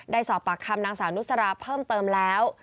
สอบปากคำนางสาวนุสราเพิ่มเติมแล้ว